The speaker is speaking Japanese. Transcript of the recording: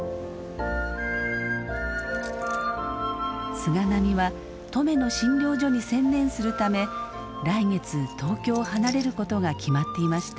菅波は登米の診療所に専念するため来月東京を離れることが決まっていました。